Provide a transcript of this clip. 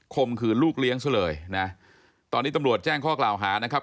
มขืนลูกเลี้ยงซะเลยนะตอนนี้ตำรวจแจ้งข้อกล่าวหานะครับ